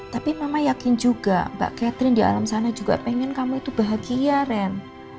tapi mama yakin juga mbak catherine di alam sana juga pengen kamu itu bahagia ren